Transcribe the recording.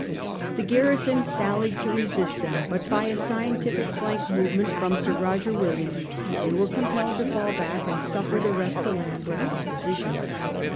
The garrison sallied to resist them, but by a scientific flank movement from Sir Koger Williams they were compelled to fall back and suffer the rest to land without opposition.